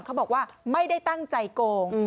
เขาบอกว่าไม่ได้ตั้งใจโกง